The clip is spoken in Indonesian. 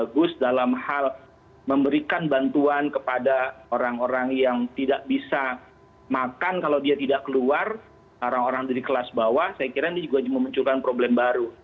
gue mau mencurkan problem baru